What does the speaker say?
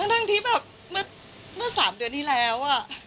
ทั้งที่แบบเมื่อ๓เดือนที่แล้ว